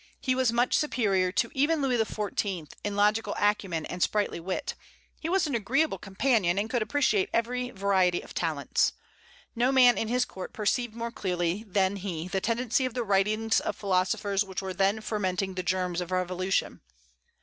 He was much superior to even Louis XIV. in logical acumen and sprightly wit. He was an agreeable companion, and could appreciate every variety of talents. No man in his court perceived more clearly than he the tendency of the writings of philosophers which were then fermenting the germs of revolution.